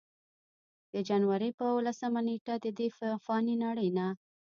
د جنورۍ پۀ اولسمه نېټه ددې فانې نړۍ نه